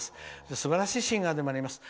すばらしいシンガーでもあります。